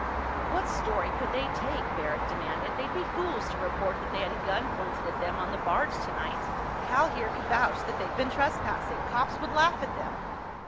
"What story could they take?" Barrack demanded. "They'd be fools to report that they had a gun pointed at them on the barge tonight. Cal here could vouch that they'd been trespassing. Cops would laugh at them."